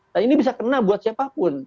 nah ini bisa kena buat siapapun